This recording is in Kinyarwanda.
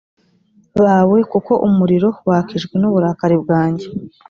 bawe kuko umuriro wakijwe n uburakari bwanjye